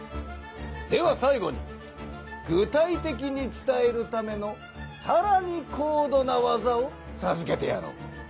ではさい後に具体的に伝えるためのさらに高度な技をさずけてやろう。